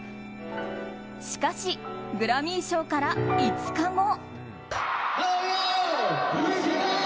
しかし、グラミー賞から５日後。